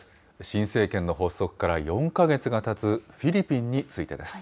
新政権の発足から４か月がたつフィリピンについてです。